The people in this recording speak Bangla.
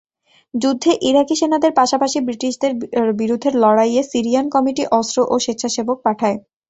যুদ্ধে ইরাকি সেনাদের পাশাপাশি ব্রিটিশদের বিরুদ্ধে লড়াইয়ের সিরিয়ান কমিটি অস্ত্র ও স্বেচ্ছাসেবক পাঠায়।